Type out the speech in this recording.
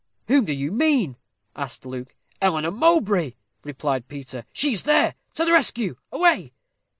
"Whom do you mean?" asked Luke. "Eleanor Mowbray," replied Peter. "She is there. To the rescue away."